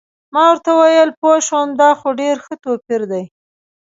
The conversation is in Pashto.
ما ورته وویل: پوه شوم، دا خو ډېر ښه توپیر دی.